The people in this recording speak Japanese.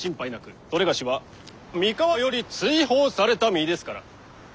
某は三河より追放された身ですから。